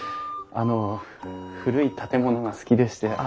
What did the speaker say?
あの古い建物が好きでして。